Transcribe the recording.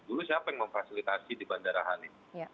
dulu siapa yang memfasilitasi di bandara halim